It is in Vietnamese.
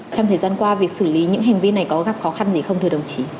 trong thời gian qua việc xử lý những hành vi này có gặp khó khăn gì không thưa đồng chí